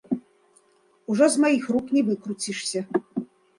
Ужо з маіх рук не выкруцішся!